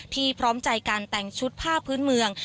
พร้อมใจการแต่งชุดผ้าพื้นเมือง